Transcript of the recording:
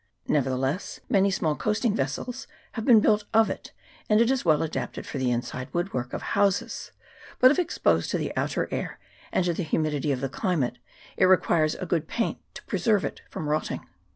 Nevertheless, many small coast ing vessels have been built of it ; and it is well adapted for the inside wood work of houses : but if exposed to the outer air and to the humidity of the climate, it requires a good paint to preserve it from rotting.